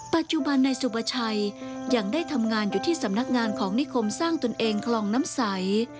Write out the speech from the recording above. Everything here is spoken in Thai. ปัจจุบันนายสุประชัยยังได้ทำงานอยู่ที่สำนักงานของนิคมสร้างตนเองคลองน้ำใส